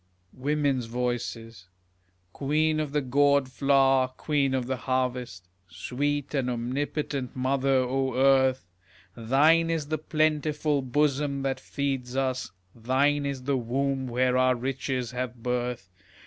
Women's Voices Queen of the gourd flower, queen of the harvest, Sweet and omnipotent mother, O Earth! Thine is the plentiful bosom that feeds us, Thine is the womb where our riches have birth.